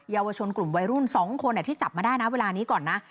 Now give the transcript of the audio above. เยาวชนกลุ่มวัยรุ่น๒คนที่จับมาได้นะเวลานี้ก่อนนะ